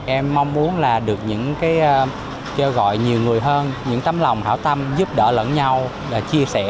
em mong muốn là được những cái kêu gọi nhiều người hơn những tấm lòng hảo tâm giúp đỡ lẫn nhau và chia sẻ